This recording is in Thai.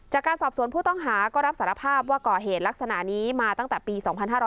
จากการสอบสวนผู้ต้องหาก็รับสารภาพว่าก่อเหตุลักษณะนี้มาตั้งแต่ปี๒๕๕๙